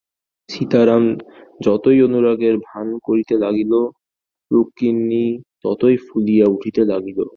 সীতারাম যতই অনুরাগের ভান করিতে লাগিল, রুক্মিণী ততই ফুলিয়া উঠিতে লাগিল।